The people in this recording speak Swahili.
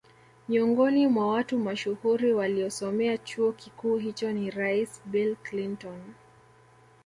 Miongoni mwa watu mashuhuri waliosomea chuo kikuu hicho ni rais Bill Clinton